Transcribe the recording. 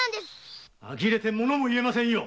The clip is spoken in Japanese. あきれてモノも言えませんよ。